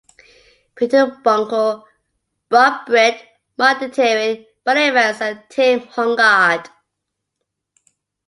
Peter Buncle, Rob Britt, Mark Detering, Brian Evans and Tim Hogard.